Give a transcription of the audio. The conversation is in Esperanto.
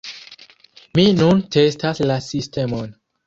Mi nun testas la sistemon.